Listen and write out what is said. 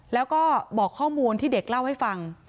แล้วก็บอกข้อมูลที่เด็กเล่าให้ฟัง